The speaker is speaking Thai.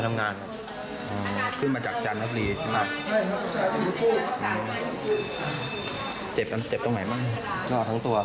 โรนกรอบแล้วไปเล็กไปเล็กฝั่งหนึ่งครับผม